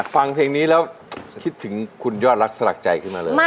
ฟังเพลงนี้แล้วคิดถึงคุณยอดรักสลักใจขึ้นมาเลย